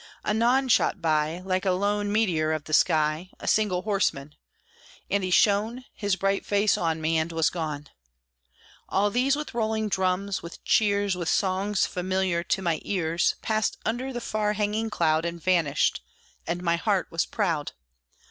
Anon shot by, Like a lone meteor of the sky, A single horseman; and he shone His bright face on me, and was gone. All these with rolling drums, with cheers, With songs familiar to my ears, Passed under the far hanging cloud, And vanished, and my heart was proud!